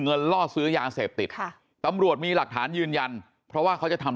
ล่อซื้อยาเสพติดค่ะตำรวจมีหลักฐานยืนยันเพราะว่าเขาจะทำ